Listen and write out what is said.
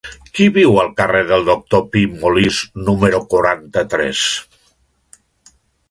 Qui viu al carrer del Doctor Pi i Molist número quaranta-tres?